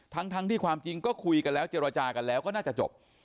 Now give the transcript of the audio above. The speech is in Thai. ทั้งที่ความจริงก็คุยกันแล้วเจรจากันแล้วก็น่าจะจบ